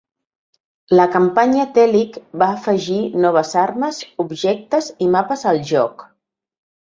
La Campanya Telic va afegir noves armes, objectes i mapes al joc.